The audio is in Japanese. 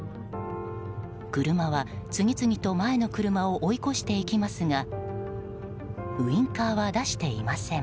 車は次々と前の車を追い越していきますがウィンカーは出していません。